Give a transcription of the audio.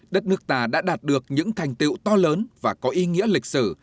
đất nước ta đã đạt được những thành tiệu to lớn và có ý nghĩa lịch sử